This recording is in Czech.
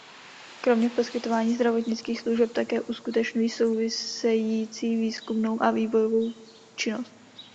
Kromě poskytování zdravotnických služeb také uskutečňují související výzkumnou a vývojovou činnost.